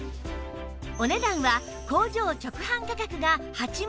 お値段は工場直販価格が８万円のところ